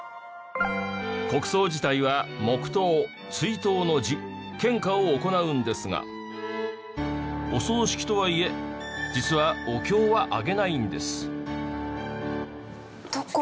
国葬自体は黙祷追悼の辞献花を行うんですがお葬式とはいえ実はお経は上げないんです。